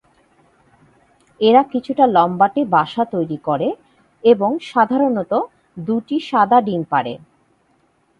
এরা কিছুটা লম্বাটে বাসা তৈরি করে এবং সাধারণত দুটি সাদা ডিম পাড়ে।